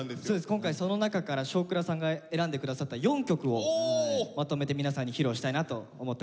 今回その中から「少クラ」さんが選んで下さった４曲をまとめて皆さんに披露したいなと思っております。